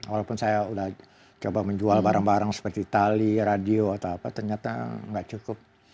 walaupun saya udah coba menjual barang barang seperti tali radio atau apa ternyata nggak cukup